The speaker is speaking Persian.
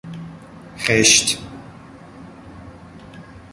خشت